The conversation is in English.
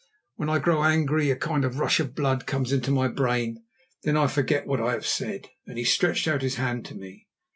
When I grow angry, a kind of rush of blood comes into my brain, and then I forget what I have said," and he stretched out his hand to me.